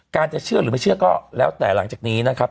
จะเชื่อหรือไม่เชื่อก็แล้วแต่หลังจากนี้นะครับ